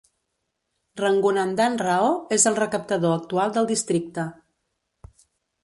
Ranghunandan Rao és el recaptador actual del districte.